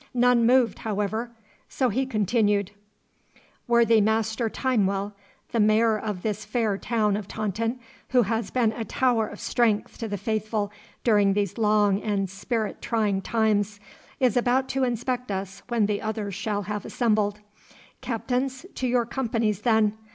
None moved, however, so he continued. 'Worthy Master Timewell, the Mayor of this fair town of Taunton, who has been a tower of strength to the faithful during these long and spirit trying times, is about to inspect us when the others shall have assembled. Captains, to your companies then!